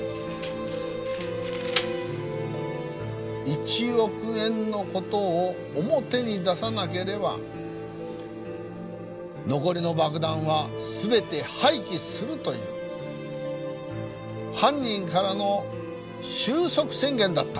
１億円の事を表に出さなければ残りの爆弾は全て廃棄するという犯人からの終息宣言だった。